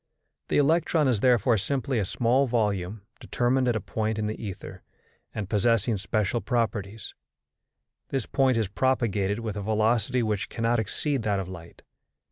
The electron is therefore simply a small volume determined at a point in the ether, and possessing special properties; this point is propagated with a velocity which cannot exceed that of light.